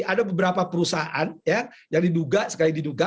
ada beberapa perusahaan yang diduga sekali diduga